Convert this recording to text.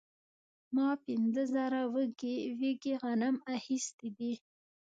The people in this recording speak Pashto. ما پنځه زره وږي غنم اخیستي دي